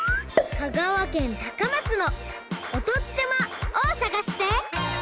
香川県高松の「おとっちゃま」をさがして！